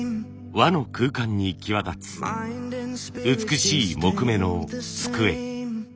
和の空間に際立つ美しい木目の机。